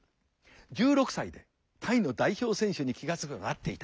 １６歳でタイの代表選手に気が付けばなっていた。